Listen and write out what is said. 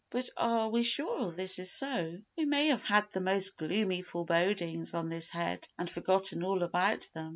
But are we sure this is so? We may have had the most gloomy forebodings on this head and forgotten all about them.